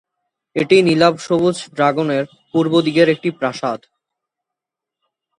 এটি নীলাভসবুজ ড্রাগনের পূর্ব দিকের একটি প্রাসাদ।